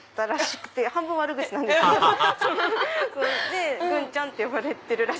でグンちゃんって呼ばれてる。